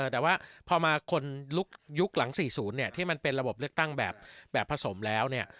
แต่ว่าพอมาคนยุคหลัง๔๐เนี่ยที่มันเป็นระบบเลือกตั้งแบบผสมแล้วเนี่ย